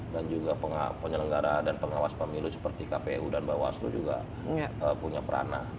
dan juga penyelenggara dan pengawas pemilu seperti kpu dan bawaslu juga punya peranah